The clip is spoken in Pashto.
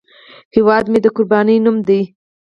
هیواد مې د قربانۍ نوم دی